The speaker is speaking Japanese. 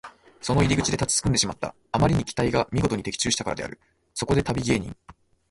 その入り口で立ちすくんでしまった。あまりに期待がみごとに的中したからである。そこで旅芸人